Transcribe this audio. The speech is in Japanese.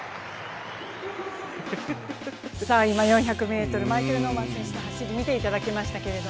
今４００ｍマイケル・ノーマン選手の走り見ていただきましたけど。